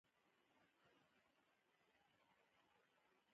بدرنګه کړنې بدې پایلې لري